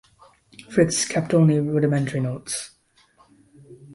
Fritz kept only rudimentary notes.